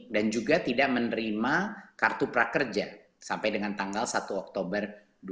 dan juga tidak menerima kartu prakerja sampai dengan tanggal satu oktober